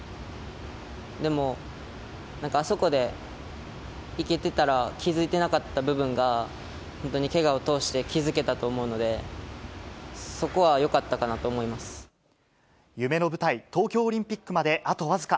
でも、なんかあそこでいけてたら、気付いてなかった部分が、本当にけがを通して気付けたと思うので、そこはよかったかなと思夢の舞台、東京オリンピックまであと僅か。